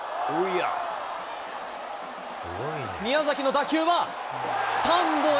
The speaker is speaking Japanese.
宮崎の打球はスタンドへ。